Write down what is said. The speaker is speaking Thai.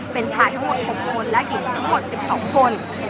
เป็นชายทั้งหมด๖คนและหญิงทั้งหมด๑๒คน